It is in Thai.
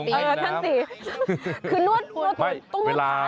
คือนวดหัวถุนต้องนวดขาหรือเปล่า